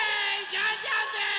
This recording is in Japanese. ジャンジャンです！